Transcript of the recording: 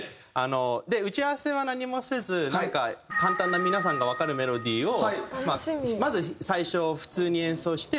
で打ち合わせは何もせずなんか簡単な皆さんがわかるメロディーをまず最初普通に演奏して。